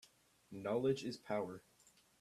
Knowledge is power